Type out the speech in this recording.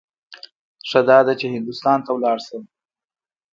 ښه داده چې هندوستان ته ولاړ شم.